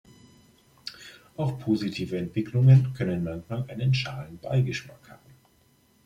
Auch positive Entwicklungen können manchmal einen schalen Beigeschmack haben.